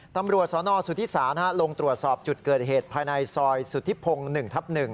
ตำรวจสนสุธิศาลลงตรวจสอบจุดเกิดเหตุภายในซอยสุธิพงศ์๑ทับ๑